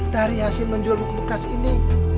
dari hasil menjual buku bekas ini